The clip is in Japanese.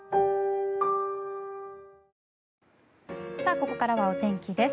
ここからはお天気です。